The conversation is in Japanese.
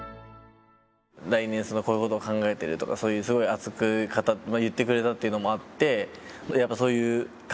来年こういう事を考えてるとかそういうすごい熱く言ってくれたっていうのもあってやっぱ。